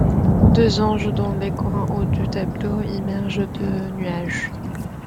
Deux anges dans les coins haut du tableau émergent de nuages.